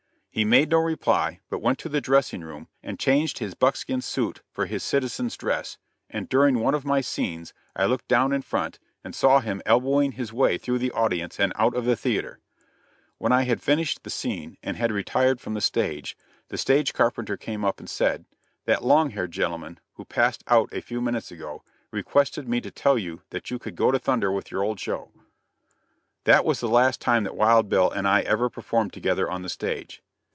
He made no reply, but went to the dressing room and changed his buckskin suit for his citizen's dress, and during one of my scenes I looked down in front and saw him elbowing his way through the audience and out of the theater. When I had finished the scene, and had retired from the stage, the stage carpenter came up and said: "That long haired gentleman, who passed out a few minutes ago, requested me to tell you that you could go to thunder with your old show." That was the last time that Wild Bill and I ever performed together on the stage.